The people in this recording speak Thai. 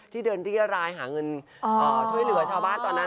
เดินเรียรายหาเงินช่วยเหลือชาวบ้านตอนนั้น